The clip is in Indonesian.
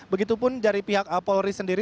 begitupun dari pihak polri sendiri